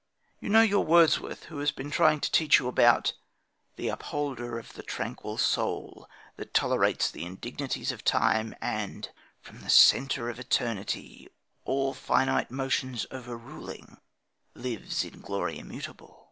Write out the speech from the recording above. You know your Wordsworth, who has been trying to teach you about: The Upholder of the tranquil soul That tolerates the indignities of Time And, from the centre of Eternity All finite motions over ruling, lives In glory immutable.